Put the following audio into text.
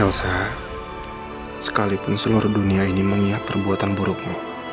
elsa sekalipun seluruh dunia ini mengingat perbuatan burukmu